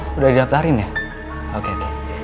sudah di daftarin ya oke oke